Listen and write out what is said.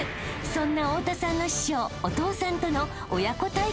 そんな太田さんの師匠お父さんとの親子対決が実現］